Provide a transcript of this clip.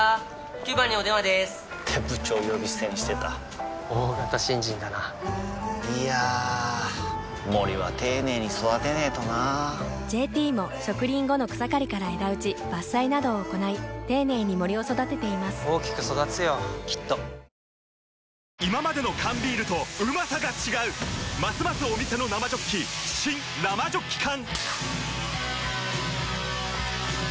９番にお電話でーす！って部長呼び捨てにしてた大型新人だないやー森は丁寧に育てないとな「ＪＴ」も植林後の草刈りから枝打ち伐採などを行い丁寧に森を育てています大きく育つよきっとますますお店の生ジョッキ新・生ジョッキ缶！